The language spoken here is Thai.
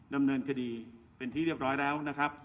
ดำเนินคดีเป็นที่เรียบร้อยแล้วนะครับ